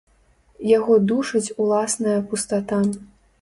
Яго душыць уласная пустата.